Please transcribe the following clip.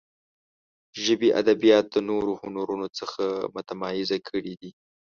ژبې ادبیات د نورو هنرونو څخه متمایزه کړي دي.